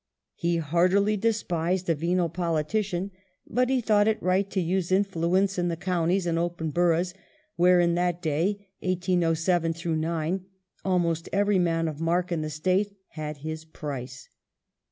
He heartily despised a venal poli tician, but he thought it right to use influence in the counties and open boroughs, where, in that day, 1807 9, "almost every man of mark in the State had his price."